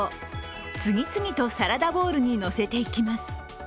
次々とサラダボウルにのせていきます。